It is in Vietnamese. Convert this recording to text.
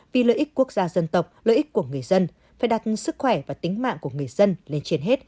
vì lợi ích quốc gia dân tộc lợi ích của người dân phải đặt sức khỏe và tính mạng của người dân lên trên hết